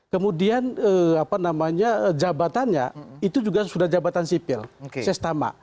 kemudian jabatannya itu juga sudah jabatan sipil sestama